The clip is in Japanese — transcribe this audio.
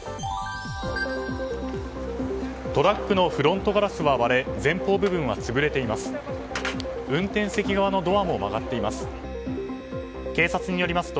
トラックのフロントガラスが割れ前方部分は潰れています。